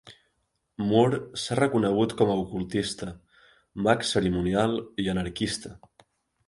Moore s’ha reconegut com a ocultista, mag cerimonial i anarquista.